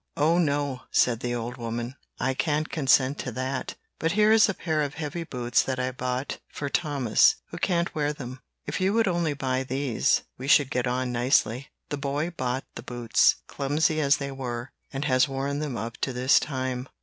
'O, no,' said the old woman, 'I can't consent to that; but here is a pair of heavy boots that I bought for Thomas, who can't wear them. If you would only buy these, we should get on nicely.' The boy bought the boots, clumsy as they were, and has worn them up to this time.